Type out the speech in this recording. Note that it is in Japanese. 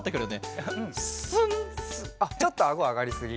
あっちょっとあごあがりすぎ。